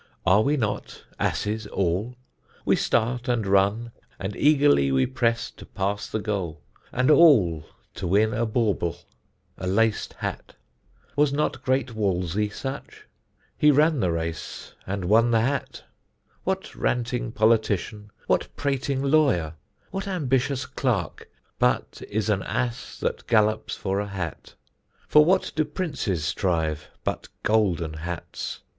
Are we not asses all? We start and run, And eagerly we press to pass the goal, And all to win a bauble, a lac'd hat. Was not great Wolsey such? He ran the race, And won the hat. What ranting politician, What prating lawyer, what ambitious clerk, But is an ass that gallops for a hat? For what do Princes strive, but golden hats?